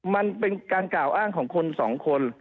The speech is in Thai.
มันเป็นการกล่าวอ้างของคนสองคน